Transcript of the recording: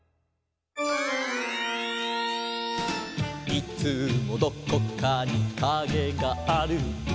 「いつもどこかにカゲがある」